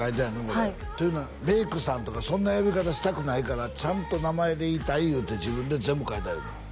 これはいっていうのはメイクさんとかそんな呼び方したくないからちゃんと名前で言いたいいうて自分で全部書いたいうのよ